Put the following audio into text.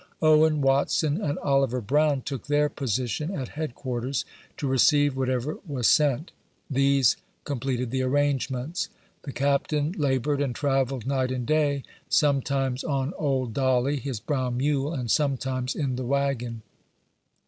Owen, Watson, and Oliver Brown, took their position at head quarters, to receive whatever was sent. These completed the arrangements. The Captain la bored and travelled night and day, sometimes on old Dolly, his brown mule, and sometimes in the wagon.